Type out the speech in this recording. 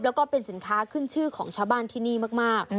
แล้วก็เป็นสินค้าขึ้นชื่อของชาวบ้านที่นี่มาก